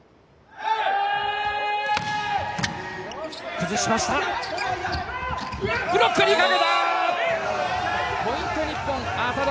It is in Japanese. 崩しました。